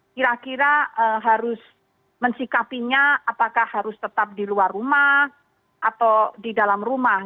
kira kira harus mensikapinya apakah harus tetap di luar rumah atau di dalam rumah